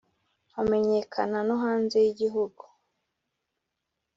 nkamenyekana no hanze y’igihugu